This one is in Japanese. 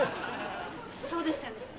そうですよね